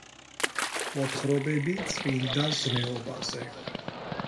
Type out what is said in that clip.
მოთხრობები წმინდა ზნეობაზე